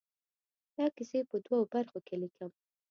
دا کیسې په دوو برخو کې ليکم.